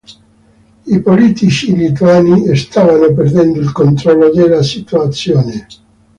I politici lituani stavano perdendo il controllo della situazione.